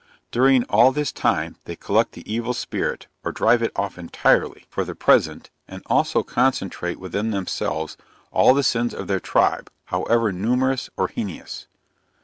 During all this time they collect the evil spirit, or drive it off entirely, for the present, and also concentrate within themselves all the sins of their tribe, however numerous or heinous.